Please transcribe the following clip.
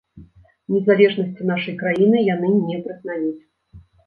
Незалежнасці нашай краіны яны не прызнаюць.